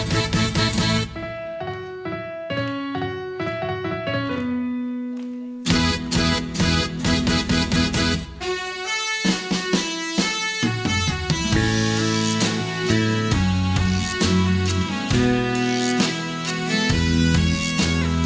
โจมิสติอยากมีสไตล์ค่ะ